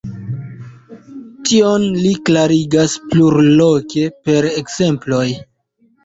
Tion li klarigas plurloke per ekzemploj.